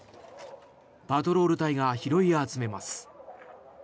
パトロール隊が拾い集めます。